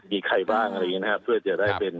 มีใครบ้างอะไรอย่างนี้นะครับเพื่อจะได้เป็น